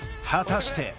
果たして？